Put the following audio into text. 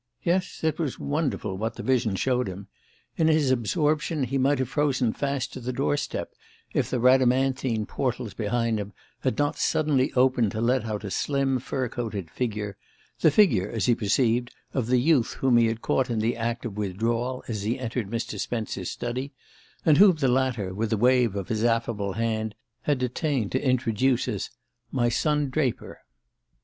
Yes, it was wonderful what the vision showed him. ... In his absorption he might have frozen fast to the door step if the Rhadamanthine portals behind him had not suddenly opened to let out a slim fur coated figure, the figure, as he perceived, of the youth whom he had caught in the act of withdrawal as he entered Mr. Spence's study, and whom the latter, with a wave of his affable hand, had detained to introduce as "my son Draper."